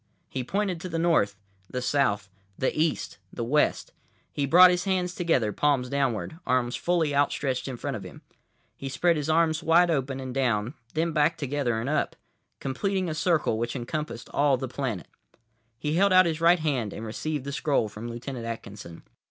He pointed to the north, the south, the east, the west. He brought his hands together, palms downward, arms fully out stretched in front of him. He spread his arms wide open and down, then back together and up; completing a circle which encompassed all the planet. He held out his right hand and received the scroll from Lieutenant Atkinson.